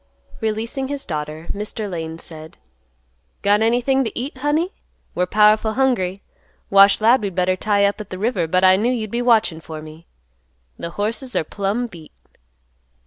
Releasing his daughter, Mr. Lane said, "Got anything to eat, honey? We're powerful hungry. Wash 'lowed we'd better tie up at the river, but I knew you'd be watching for me. The horses are plumb beat."